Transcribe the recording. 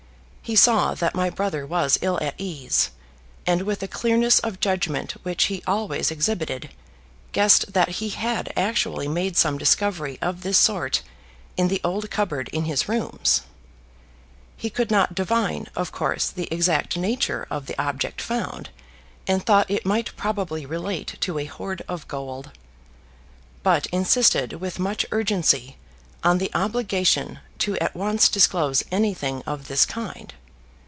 He saw that my brother was ill at ease, and with a clearness of judgment which he always exhibited, guessed that he had actually made some discovery of this sort in the old cupboard in his rooms. He could not divine, of course, the exact nature of the object found, and thought it might probably relate to a hoard of gold; but insisted with much urgency on the obligation to at once disclose anything of this kind.